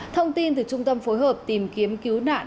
thông tin từ trung tâm phối hợp tìm kiếm cứu nạn